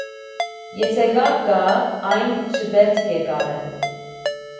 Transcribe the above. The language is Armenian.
Եթե կապ կա, այն չպետք է կարել։